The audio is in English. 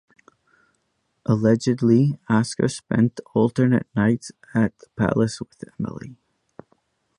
Allegedly Oscar spent alternate nights at the palace and with Emilie.